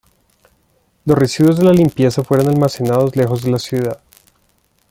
Los residuos de la limpieza fueron almacenados lejos de la ciudad.